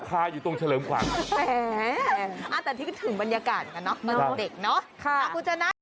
ก็คาอยู่ตรงเฉลิมขวานแต่คิดถึงบรรยากาศกันเนาะตอนเด็กเนาะ